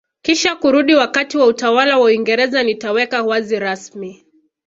kisha kurudi wakati wa utawala wa Uingereza nitaweka wazi rasmi